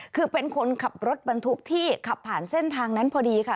คือเป็นคนขับรถบรรทุกที่ขับผ่านเส้นทางนั้นพอดีค่ะ